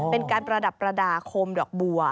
เป็นการประดับประดาษโคมดอกบัว